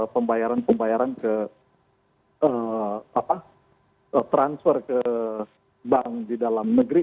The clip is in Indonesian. pembayaran pembayaran ke transfer ke bank di dalam negeri